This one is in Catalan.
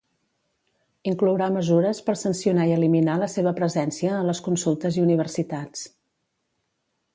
Inclourà mesures per sancionar i eliminar la seva presència a les consultes i universitats.